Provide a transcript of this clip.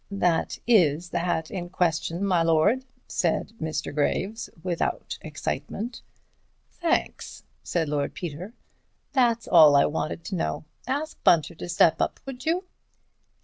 "That is the hat in question, my lord," said Mr. Graves, without excitement. "Thanks," said Lord Peter, "that's all I wanted to know. Ask Bunter to step up, would you?"